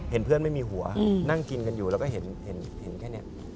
เห็นเพื่อนไม่มีหัวนั่งกินกันอยู่แล้วก็เห็นแค่นี้